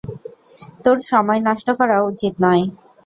তোর সময় নষ্ট করা উচিত নয়।